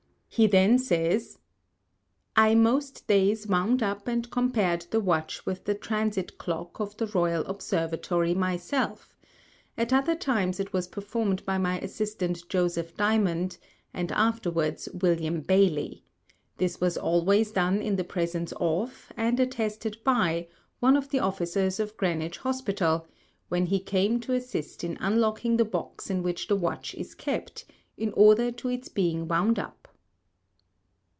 He then says, ŌĆ£I most Days wound up and compared the Watch with the transit Clock of the Royal Observatory myself; at other times it was performed by my Assistant Joseph Dymond, and afterwards William Baily; this was always done in the Presence of, and attested by one of the Officers of Greenwich Hospital, when he came to assist in unlocking the Box in which the Watch is kept, in order to its being wound up.